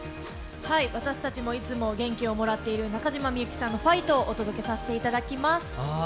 私たちもいつも元気をもらっている中島みゆきさんの「ファイト！」をお届けさせていただきます。